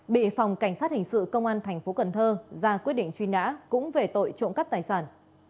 bị phòng cảnh sát hình sự công an thành phố cần thơ ra quyết định truy nã cũng về tội trộm cắp tài sản